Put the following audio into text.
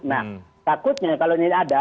nah takutnya kalau ini ada